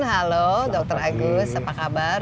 halo dr agus apa kabar